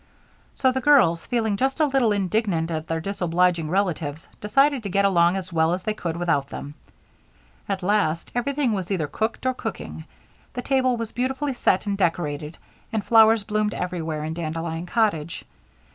So the girls, feeling just a little indignant at their disobliging relatives, decided to get along as well as they could without them. At last, everything was either cooked or cooking. The table was beautifully set and decorated and flowers bloomed everywhere in Dandelion Cottage.